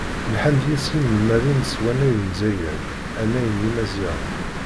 Lḥan deg-s yinelmaden s wannay n Lezzayer, annay n yimaziɣen.